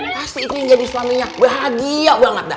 pasti itu yang jadi suaminya bahagia banget dah